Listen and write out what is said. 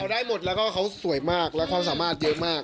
ได้หมดแล้วก็เขาสวยมากและความสามารถเยอะมาก